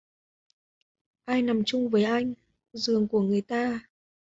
Ai nằm chung với anh giường của người ta